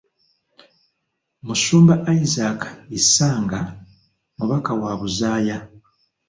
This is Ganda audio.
Musumba Isaac Isanga, mubaka wa Buzaaya.